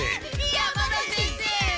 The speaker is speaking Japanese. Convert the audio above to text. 山田先生！